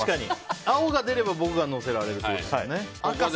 青が出れば僕が載せられるってことですもんね。